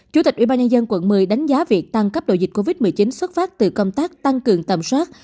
chủ tịch ủy ban nhân dân quận một mươi đánh giá việc tăng cấp độ dịch covid một mươi chín xuất phát từ công tác tăng cường tầm soát